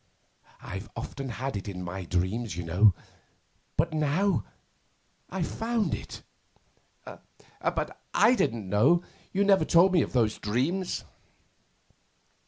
I've often had it in my dreams, you know, but now I've found it.' 'But I didn't know. You never told me of those dreams.